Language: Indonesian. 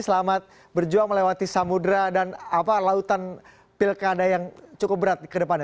selamat berjuang melewati samudera dan apa lautan pilkada yang cukup berat kedepannya